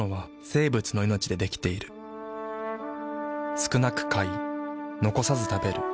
少なく買い残さず食べる。